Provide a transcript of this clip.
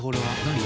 何？